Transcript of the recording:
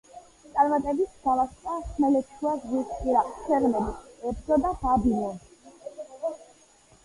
წარმატებით დალაშქრა ხმელთაშუაზღვისპირა ქვეყნები, ებრძოდა ბაბილონს.